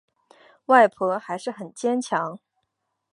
外婆还是很坚强